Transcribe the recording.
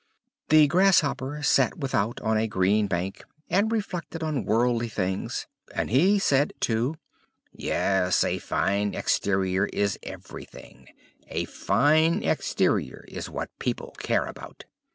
The Grasshopper sat without on a green bank, and reflected on worldly things; and he said too, "Yes, a fine exterior is everything a fine exterior is what people care about."